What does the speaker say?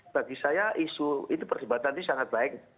bagi saya isu itu perdebatan ini sangat baik